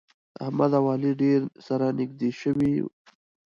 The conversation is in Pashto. احمد او علي ډېر سره نږدې شوي.